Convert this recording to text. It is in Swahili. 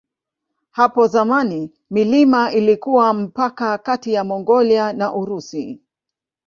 Hapo zamani milima ilikuwa mpaka kati ya Mongolia na Urusi.